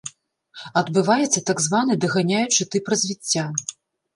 Адбываецца так званы даганяючы тып развіцця.